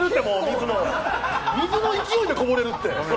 水の勢いでこぼれるって。